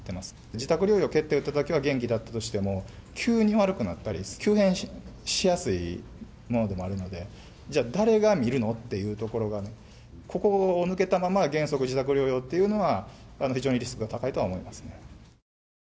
自宅療養が決定したときは元気だったとしても、急に悪くなったり、急変しやすいものでもあるので、じゃあ誰が診るのっていうところがね、ここが抜けたまま原則自宅療養というのは、非常にリスクが高いとは思いますね。